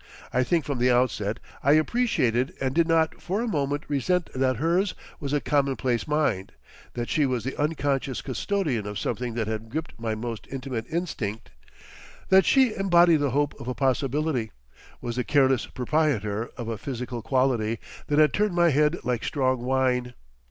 I think from the outset I appreciated and did not for a moment resent that hers was a commonplace mind, that she was the unconscious custodian of something that had gripped my most intimate instinct, that she embodied the hope of a possibility, was the careless proprietor of a physical quality that had turned my head like strong wine.